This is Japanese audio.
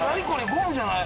ゴムじゃない。